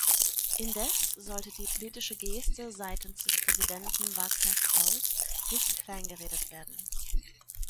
Indes sollte die politische Geste seitens des Präsidenten Vaclav Klaus nicht kleingeredet werden.